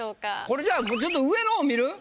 これじゃあちょっと上のほう見る？